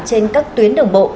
trên các tuyến đường bộ